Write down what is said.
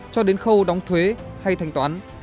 cho đến khâu đóng thuế hay thanh toán